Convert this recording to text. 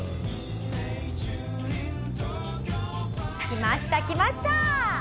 きましたきました！